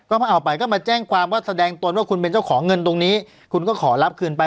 ก็เอาไปก็มาแจ้งความว่าแสดงตนว่าคุณเป็นเจ้าของเงินตรงนี้คุณก็ขอรับคืนไป